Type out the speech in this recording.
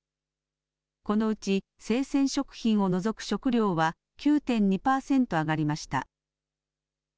このうち生鮮食品を除く食料は９．２％上がりました。